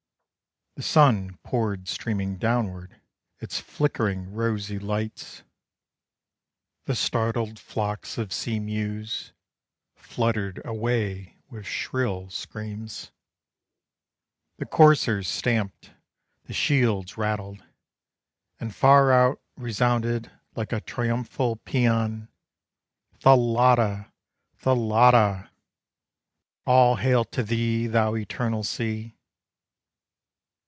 The sun poured streaming downward Its flickering rosy lights. The startled flocks of sea mews Fluttered away with shrill screams; The coursers stamped, the shields rattled, And far out, resounded like a triumphal pæan, Thalatta! Thalatta! All hail to thee, thou Eternal Sea!